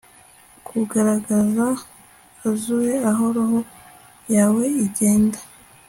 Kugaragaza azure aho roho yawe igenda